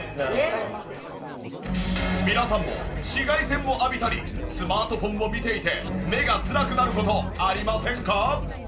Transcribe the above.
皆さんも紫外線を浴びたりスマートフォンを見ていて目がつらくなる事ありませんか？